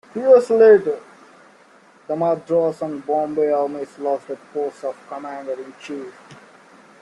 Two years later the Madras and Bombay Armies lost their posts of Commander-in-Chief.